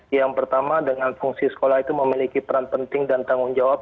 yang pertama dengan fungsi sekolah itu memiliki peran penting dan tanggung jawab